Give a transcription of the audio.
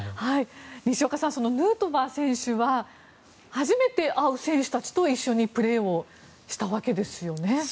西岡さん、ヌートバー選手は初めて会う選手たちと一緒にプレーしたわけですよね。